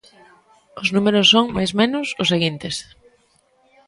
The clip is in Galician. Os números son, máis menos, os seguintes.